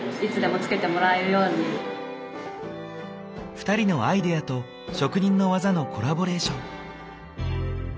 ２人のアイデアと職人の技のコラボレーション。